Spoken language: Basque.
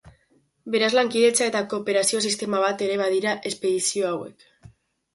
Beraz, lankidetza eta kooperazio sistema bat ere badira espedizio hauek.